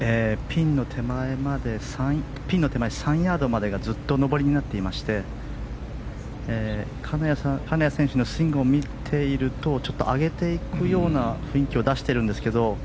ピンの手前３ヤードまでがずっと上りになっていまして金谷選手のスイングを見ているとちょっと上げていくような雰囲気を出しているんですけど。